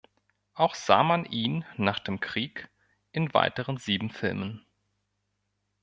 Auch sah man ihn nach dem Krieg in weiteren sieben Filmen.